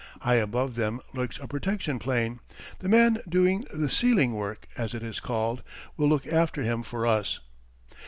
High above them lurks a protection plane. The man doing the "ceiling work," as it is called, will look after him for us.